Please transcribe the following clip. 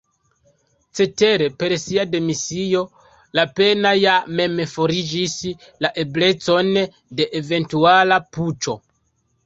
Cetere per sia demisio Lapenna ja mem forigis la eblecon de eventuala puĉo.